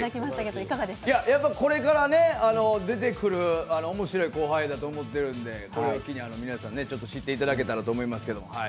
これから出てくる面白い後輩だと思っているので、これを機に皆さん、ちょっと知っていただけたらと思います。